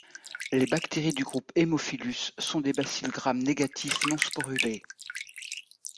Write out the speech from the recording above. Les bactéries du groupe Haemophilus sont des bacilles Gram négatif non sporulés.